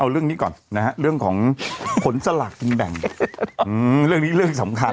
เอาเรื่องนี้ก่อนนะฮะเรื่องของผลสลากกินแบ่งเรื่องนี้เรื่องสำคัญ